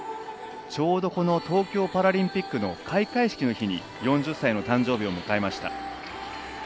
ちょうど東京パラリンピックの開会式の日に４０歳の誕生日を迎えました。